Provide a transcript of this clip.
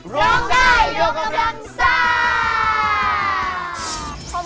ร้องได้โดยกำลังสาว